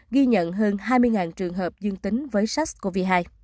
ghi nhận hơn hai mươi trường hợp dương tính với sars cov hai